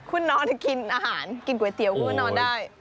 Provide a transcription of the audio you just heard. คุณนอนกินอาหารกินก๋วยเตี๋ยวคุณก็นอนได้